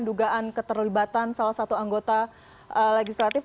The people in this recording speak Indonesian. dugaan keterlibatan salah satu anggota legislatif